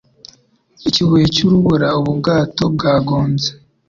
Ikibuye cy'urubura ubu bwato bwagonze,